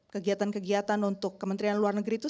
kegiatan kegiatan untuk kementerian luar negeri itu